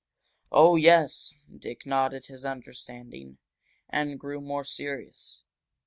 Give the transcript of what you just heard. "Oh, yes!" Dick nodded his understanding, and grew more serious.